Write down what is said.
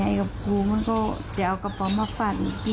เจ็บตรงหน้าอกมันกระทืบนะ